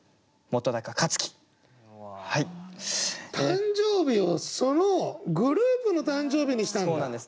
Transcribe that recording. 誕生日をグループの誕生日にしたんだ。